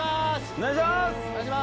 お願いします！